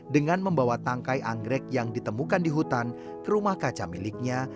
dengan membawa tangkai anggrek yang ditemukan di hutan ke rumah kaca miliknya